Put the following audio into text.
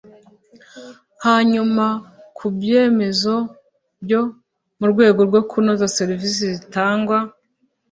hanyuma ku byemezo byo mu rwego kunoza serivisi zitangwa